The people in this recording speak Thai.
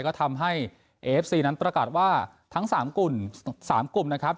ก็ทำให้เอฟซีนั้นประกาศว่าทั้ง๓กลุ่ม๓กลุ่มนะครับ